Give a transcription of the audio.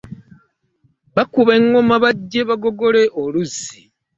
Bakuba egoma bajje bagoyole oluzzi.